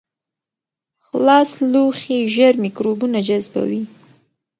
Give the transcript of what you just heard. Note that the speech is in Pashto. خلاص لوښي ژر میکروبونه جذبوي.